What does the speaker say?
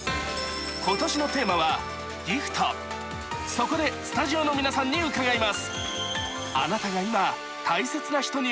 そこでスタジオの皆さんに伺います。